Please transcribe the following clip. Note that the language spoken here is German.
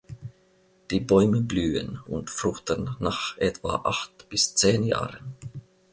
Die Bäume blühen und fruchten nach etwa acht bis zehn Jahren.